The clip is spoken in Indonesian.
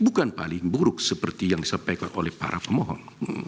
bukan paling buruk seperti yang disampaikan oleh para pemohon